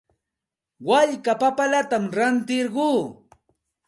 Walka papallatam rantirquu.